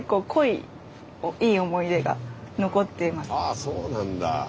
あそうなんだ。